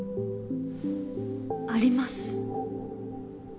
あります。